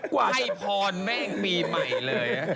ให้พรแม่งปีใหม่เลย